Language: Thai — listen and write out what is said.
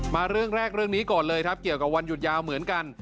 มาเรื่องแรกเรื่องนี้ก่อนเลยครับเกี่ยวกับวันหยุดยาวเหมือนกัน